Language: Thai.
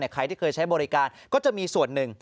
ใครที่เคยใช้บริการก็จะมีส่วนหนึ่ง